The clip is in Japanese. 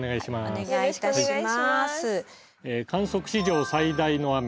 観測史上最大の雨